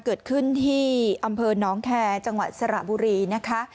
เกิดขึ้นที่อำเภอน้องแคร์จังหวัดสระบุรีนะคะ